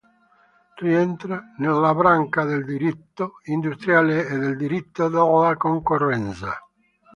Rientra nella branca del diritto industriale e del diritto della concorrenza.